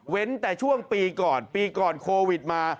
แต่ช่วงปีก่อนปีก่อนโควิดมา